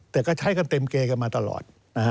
แต่ก็ใช้กันเต็มเกย์กันมาตลอด